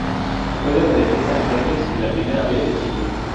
Juega de defensa en Rangers de la Primera B de Chile.